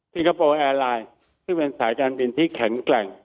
คโปร์แอร์ไลน์ซึ่งเป็นสายการบินที่แข็งแกร่ง